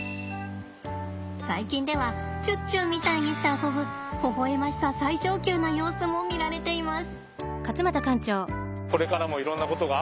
最近ではちゅっちゅみたいにして遊ぶほほ笑ましさ最上級な様子も見られています。